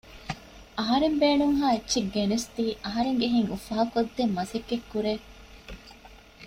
އަހަރެން ބޭނުންހާ އެއްޗެއް ގެނަސްދީ އަހަރެންގެ ހިތް އުފާ ކޮށްދޭން މަސައްކަތް ކުރޭ